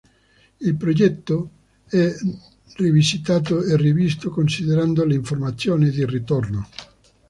Il progetto è rivisitato e rivisto considerando le informazioni di ritorno.